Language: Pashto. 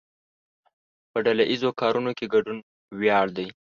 په ډله ایزو کارونو کې ګډون ویاړ دی.